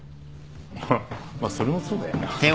まあそれもそうだよな。